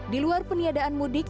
di luar peniadaan mudik